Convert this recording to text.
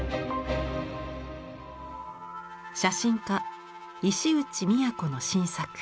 写真家石内都の新作。